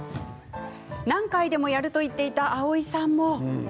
何回でもやる、と言っていた蒼井さんも。